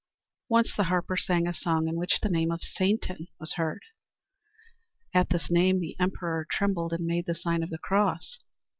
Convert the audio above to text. Once the harper sang a song in which the name of Satan was heard. At this name the emperor trembled and made the sign of the cross.